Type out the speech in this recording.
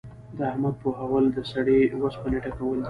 احمد پوهول؛ د سړې اوسپنې ټکول دي.